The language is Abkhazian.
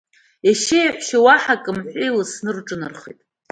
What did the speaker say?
Ешьеи еҳәшьеи уаҳа акы мҳәа иласны рҿынархеит.